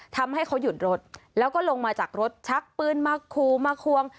ทำให้เขาหยุดรถแล้วก็ลงมาจากรถชักปืนมาคูมาควง